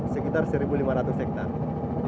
sekitar satu lima ratus hektare